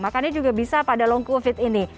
makanya juga bisa pada long covid ini